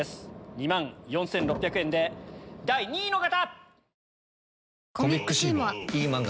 ２万４６００円で第２位の方！